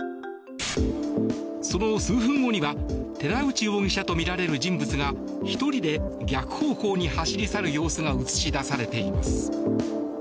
その数分後には寺内容疑者とみられる人物が１人で逆方向に走り去る様子が映し出されています。